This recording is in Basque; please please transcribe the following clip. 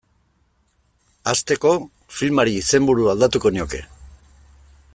Hasteko, filmari izenburua aldatuko nioke.